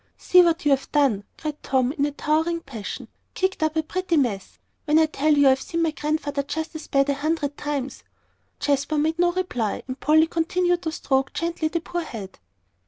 "See what you've done," cried Tom, in a towering passion. "Kicked up a pretty mess when I tell you I've seen my Grandfather just as bad a hundred times." Jasper made no reply, and Polly continued to stroke gently the poor head.